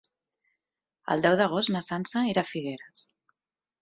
El deu d'agost na Sança irà a Figueres.